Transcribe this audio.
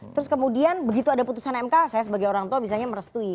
terus kemudian begitu ada putusan mk saya sebagai orang tua misalnya merestui